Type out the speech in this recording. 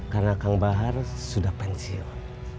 karena kang bahar sudah pensiun